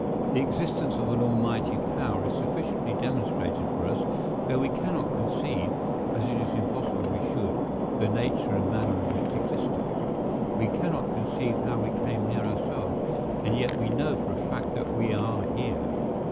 The existence of an Almighty power is sufficiently demonstrated to us, though we cannot conceive, as it is impossible we should, the nature and manner of its existence. We cannot conceive how we came here ourselves, and yet we know for a fact that we are here.